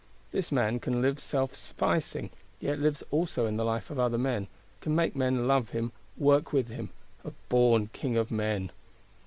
This man can live self sufficing—yet lives also in the life of other men; can make men love him, work with him: a born king of men!